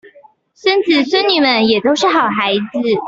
孫子孫女們也都是好孩子